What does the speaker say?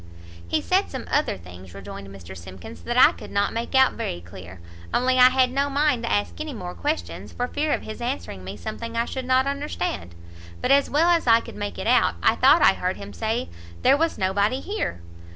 "He said some other things," rejoined Mr Simkins, "that I could not make out very clear, only I had no mind to ask any more questions, for fear of his answering me something I should not understand; but as well as I could make it out, I thought I heard him say there was nobody here!